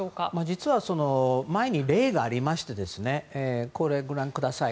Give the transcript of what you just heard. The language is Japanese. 実は前に例がありましてこれをご覧ください。